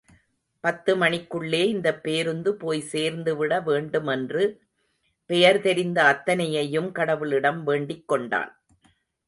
பத்து மணிக்குள்ளே இந்த பேருந்து போய் சேர்ந்துவிட வேண்டும் என்று பெயர் தெரிந்த அத்தனையையும் கடவுளிடமும் வேண்டிக் கொண்டான்.